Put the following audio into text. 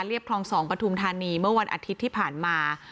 คลอง๒ปฐุมธานีเมื่อวันอาทิตย์ที่ผ่านมา